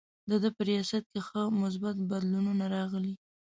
د ده په ریاست کې ښه مثبت بدلونونه راغلي.